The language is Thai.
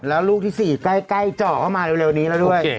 แล้วลูกที่๔ใกล้เจาะเข้ามาเร็วนี้แล้วด้วย